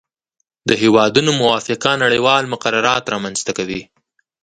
د هیوادونو موافقه نړیوال مقررات رامنځته کوي